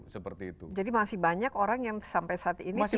jadi masih banyak orang yang sampai saat ini tidak bisa akses